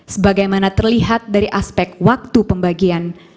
sebagaimana terlihat dari aspek waktu pembagian